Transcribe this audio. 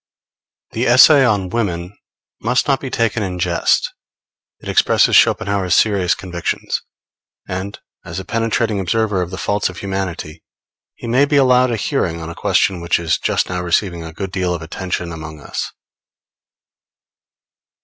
The essay on Women must not be taken in jest. It expresses Schopenhauer's serious convictions; and, as a penetrating observer of the faults of humanity, he may be allowed a hearing on a question which is just now receiving a good deal of attention among us.